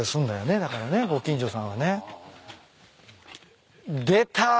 だからねご近所さんはね。出た。